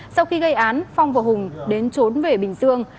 sau khi gây án phong và hùng đến trốn về bình dương